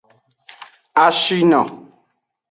Ashino.